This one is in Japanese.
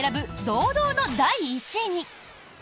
堂々の第１位に。